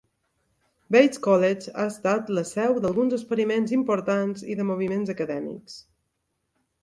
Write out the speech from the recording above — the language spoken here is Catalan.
Bates College ha estat la seu d"alguns experiments importants y de moviments acadèmics.